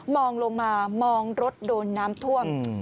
ลงมามองรถโดนน้ำท่วม